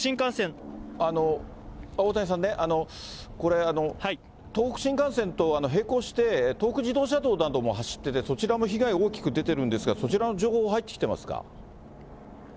これ、大谷さんね、東北新幹線と並行して東北自動車道なども走ってて、そちらも被害大きく出てるんですが、そちらの情報入ってきてますか。